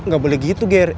gak boleh gitu gere